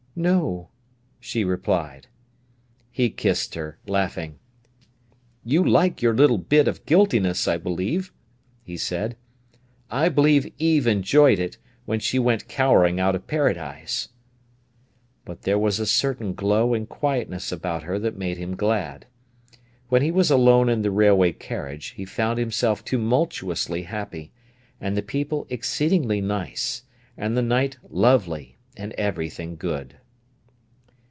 "No," she replied. He kissed her, laughing. "You like your little bit of guiltiness, I believe," he said. "I believe Eve enjoyed it, when she went cowering out of Paradise." But there was a certain glow and quietness about her that made him glad. When he was alone in the railway carriage, he found himself tumultuously happy, and the people exceedingly nice, and the night lovely, and everything good.